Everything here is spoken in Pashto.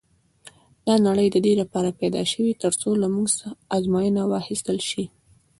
دا نړۍ د دې لپاره پيدا شوې تر څو له موږ ازموینه واخیستل شي.